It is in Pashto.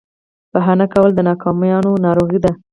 بهانه کول د ناکامیانو ناروغي ده.